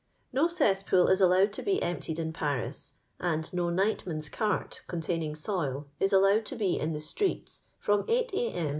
9o eetspool it aUowed to be emptied fai Parle, and no nightman's oerty containing soil, is al lowed to be in the streets from 8 lm.